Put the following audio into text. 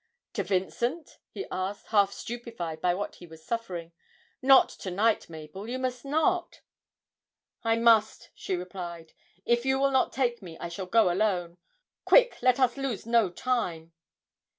'To Vincent?' he asked, half stupefied by what he was suffering. 'Not to night, Mabel, you must not!' 'I must,' she replied; 'if you will not take me I shall go alone quick, let us lose no time!'